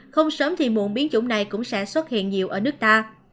không sớm thì muộn biến chủng này cũng sẽ xuất hiện nhiều ở nước ta